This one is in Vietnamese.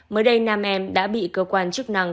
mới đây nam em đã bị cơ quan chức năng